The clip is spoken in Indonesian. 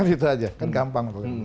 itu saja kan gampang